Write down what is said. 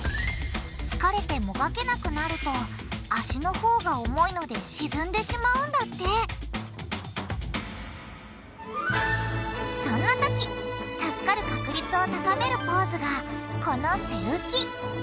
疲れてもがけなくなると足のほうが重いので沈んでしまうんだってそんな時助かる確率を高めるポーズがこの背浮き。